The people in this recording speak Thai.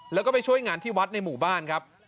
แล้วก็ไปช่วยงานที่วัดในหมู่บ้านครับ